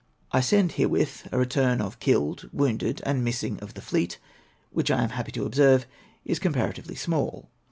I send herewith a return of the killed, wounded, and missing of the fleet, which, I am happy to observe, is com paratively small.